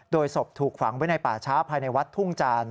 ศพถูกฝังไว้ในป่าช้าภายในวัดทุ่งจาน